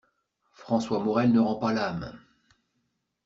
François Morel ne rend pas l'âme!